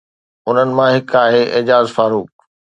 انهن مان هڪ آهي اعجاز فاروق.